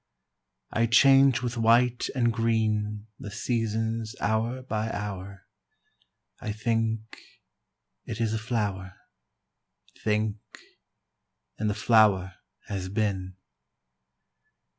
I change with white and green The seasons hour by hour; I think it is a flower, Think and the flower has been.